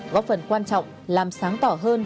góp phần quan trọng làm sáng tỏ hơn